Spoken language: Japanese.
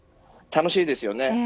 楽しいですよね。